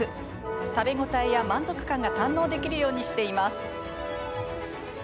食べ応えや満足感が堪能できるようにしています。